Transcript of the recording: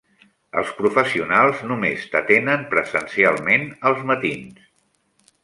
Els professionals només t'atenen presencialment als matins.